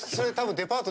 デパートよ。